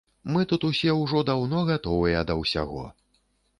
Мы тут усе ўжо даўно гатовыя да ўсяго.